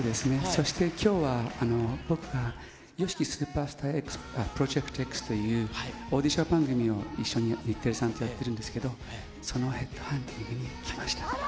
そしてきょうは、僕が、ＹＯＳＨＩＫＩスーパースタープロジェクトＸというオーディション番組を一緒に日テレさんとやってるんですけど、そのヘッドハンティングに来ました。